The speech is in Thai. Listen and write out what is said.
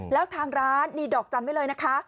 แล้วทางร้านมีดอกจันทร์ไว้เลยนะคะ